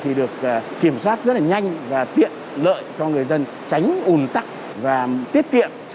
thì được kiểm soát rất là nhanh và tiện lợi cho người dân tránh ủn tắc và tiết kiệm